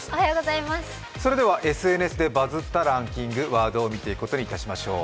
それではＳＮＳでバズったランキングワードを見ていくことにしましょう。